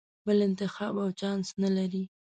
بل انتخاب او چانس نه لرې.